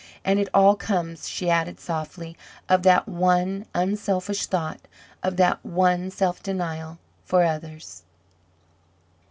And it all comes," she added softly, "of that one unselfish thought, of that one self denial for others."